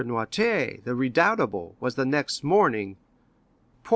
Noirtier, the redoubtable, was the next morning _poor M.